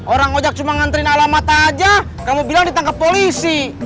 orang ojak cuma ngantriin alamat aja kamu bilang ditangkep polisi